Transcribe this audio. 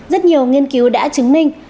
rất nhiều nghiên cứu đã chứng minh